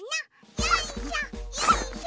よいしょよいしょ。